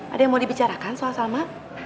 ada yang mau dibicarakan soal salma